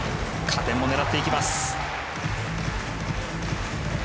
加点も狙っていきます。